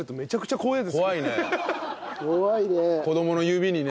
怖いね。